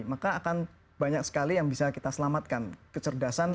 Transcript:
maka akan banyak sekali yang bisa kita selamatkan kecerdasan